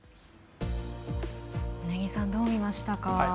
根木さんどう見ましたか？